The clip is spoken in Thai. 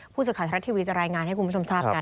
ผู้สื่อข่าวทรัฐทีวีจะรายงานให้คุณผู้ชมทราบกัน